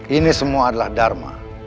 ini semua adalah dharma